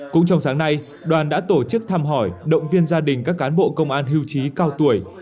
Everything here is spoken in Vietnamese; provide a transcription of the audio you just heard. cũng trong sáng nay đoàn đã tổ chức thăm hỏi động viên gia đình các cán bộ công an hưu trí cao tuổi